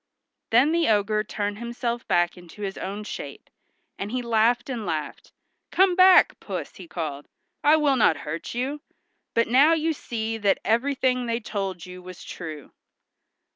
Then the ogre turned himself back into his own shape, and he laughed and laughed. "Come back, Puss," he called, "I will not hurt you; but now you see that everything they told you was true."